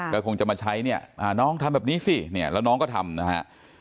ก็คงจะมาใช้เนี่ยน้องทำแบบนี้สิเนี่ยแล้วน้องก็ทำนะฮะ